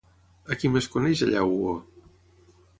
A qui més coneix allà Hugo?